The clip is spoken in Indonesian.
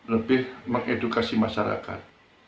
lebih mengedukasi masyarakat